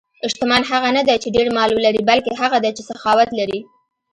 شتمن هغه نه دی چې ډېر مال ولري، بلکې هغه دی چې سخاوت لري.